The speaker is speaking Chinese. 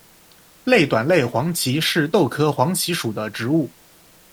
类短肋黄耆是豆科黄芪属的植物。